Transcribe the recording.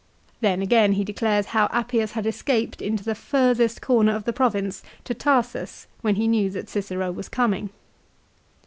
1 Then again he declares how Appius had escaped into the furthest corner of the province, to Tarsus, when he knew that Cicero was coming.